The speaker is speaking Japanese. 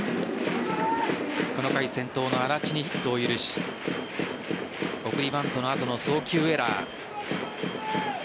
この回先頭の安達にヒットを許し送りバントの後の送球エラー。